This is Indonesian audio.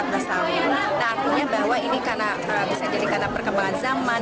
nah artinya bahwa ini karena bisa jadi karena perkembangan zaman